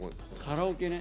カラオケね。